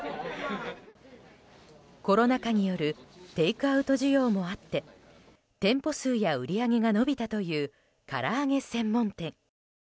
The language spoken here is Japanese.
コロナ禍によるテイクアウト需要もあって店舗数や売り上げが伸びたというから揚げ専門店。